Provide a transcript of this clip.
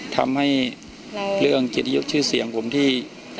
ทำให้เรื่องเกียรติยศชื่อเสียงผมที่